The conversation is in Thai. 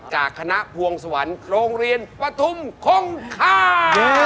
จากคณะพวงสวรรค์โรงเรียนปฐุมคงคา